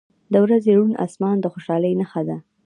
• د ورځې روڼ آسمان د خوشحالۍ نښه ده.